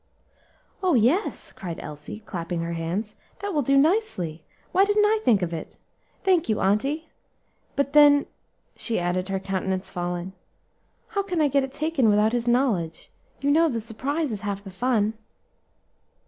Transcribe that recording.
"Oh! yes," cried Elsie, clapping her hands, "that will do nicely; why didn't I think of it? Thank you, auntie. But then," she added, her countenance falling, "how can I get it taken without his knowledge? you know the surprise is half the fun."